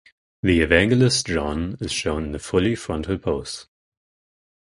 The Evangelist John is shown in a fully frontal pose.